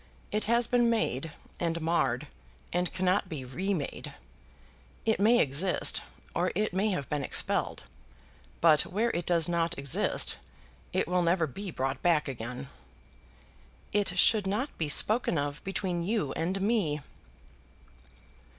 It has been made and marred, and cannot be remade. It may exist, or it may have been expelled; but where it does not exist, it will never be brought back again." "It should not be spoken of between you and me."